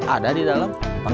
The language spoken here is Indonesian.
ada di dalam